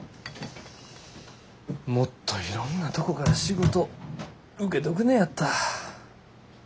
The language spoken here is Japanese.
もっといろんなとこから仕事受けとくねやった。